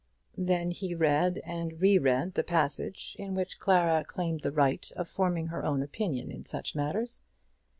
Then he read and re read the passage in which Clara claimed the right of forming her own opinion in such matters.